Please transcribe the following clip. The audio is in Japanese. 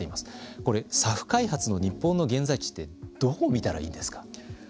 これ、ＳＡＦ開発の日本の現在地ってどう見たらいいですか。